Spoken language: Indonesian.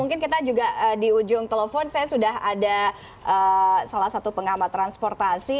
mungkin kita juga di ujung telepon saya sudah ada salah satu pengamat transportasi